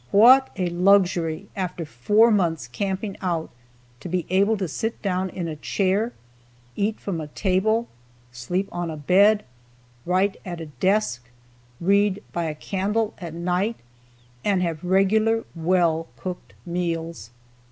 What a luxury, after four months camping out, to be able to sit down in a chair, eat from a table, sleep on a bed, write at a desk, read by a candle at night and have regular, well cooked meals.